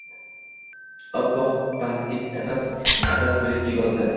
Oppoq bantik taqib, atlas ko‘ylak kiyib olibdi.